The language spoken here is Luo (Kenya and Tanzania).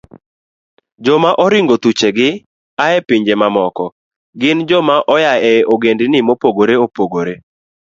Joma oringo thuchegi a e pinje mamoko gin joma oa e ogendni mopogore opogore